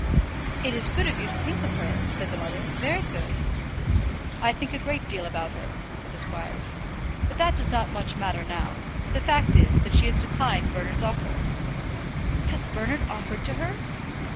"It is good of you to think of her," said the mother; "very good." "I think a great deal about her," said the squire. "But that does not much matter now. The fact is, that she has declined Bernard's offer." "Has Bernard offered to her?"